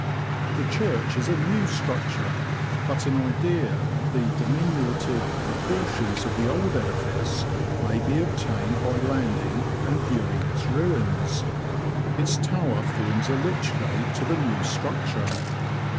The church is a new structure ; but an idea of the diminutive proportions of the old edifice may be obtained by landing and viewing its ruins ; its tower forms a lych gate to the new structure.